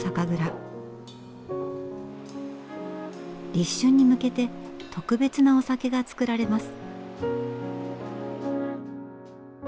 立春に向けて特別なお酒が造られます。